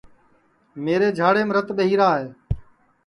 میرے جھاڑیم رت ٻہی را ہے